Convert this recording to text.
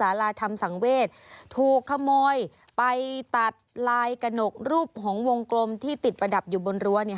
สาราธรรมสังเวศถูกขโมยไปตัดลายกระหนกรูปของวงกลมที่ติดประดับอยู่บนรั้ว